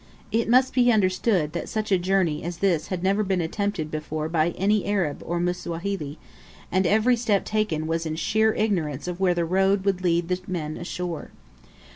It must be understood that such a journey as this had never been attempted before by any Arab or Msawahili, and every step taken was in sheer ignorance of where the road would lead the men ashore.